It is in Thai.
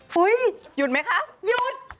หยุดไหมคะหยุด